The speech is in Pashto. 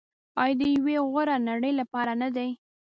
آیا د یوې غوره نړۍ لپاره نه دی؟